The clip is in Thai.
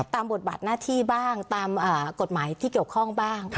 บทบาทหน้าที่บ้างตามกฎหมายที่เกี่ยวข้องบ้าง